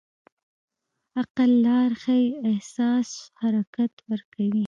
عقل لار ښيي، احساس حرکت ورکوي.